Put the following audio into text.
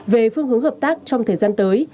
về phương hướng hợp tác trong thời gian tới